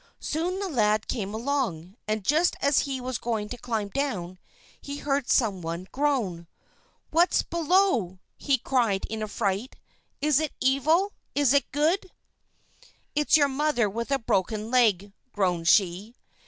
Soon the lad came along, and just as he was going to climb down he heard some one groan. "What's below?" he cried in a fright. "Is it evil? Is it good?" "It's your mother with a broken leg," groaned she.